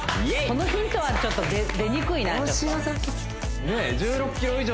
このヒントはちょっと出にくいな大島さん